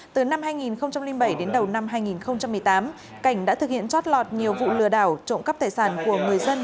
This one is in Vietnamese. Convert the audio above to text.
từ năm hai nghìn bảy đến đầu năm hai nghìn một mươi tám cảnh đã thực hiện chót lọt nhiều vụ lừa đảo trộm cắp tài sản của người dân